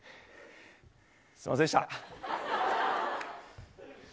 すみませんでした。